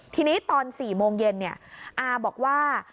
ทีนี้ตอน๔โมงเย็นอาบอกว่า